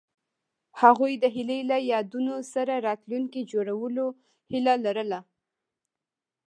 هغوی د هیلې له یادونو سره راتلونکی جوړولو هیله لرله.